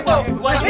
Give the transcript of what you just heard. buat ibu messi